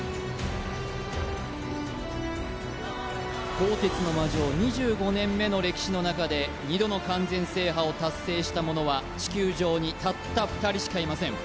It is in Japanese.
鋼鉄の魔城２５年目の歴史の中で２度の完全制覇を達成した者は地球上にたった２人しかいません